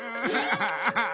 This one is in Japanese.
ハハハハ！